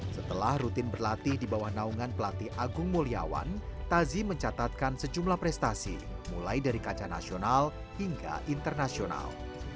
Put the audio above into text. setelah rutin berlatih di bawah naungan pelatih agung mulyawan tazi mencatatkan sejumlah prestasi mulai dari kaca nasional hingga internasional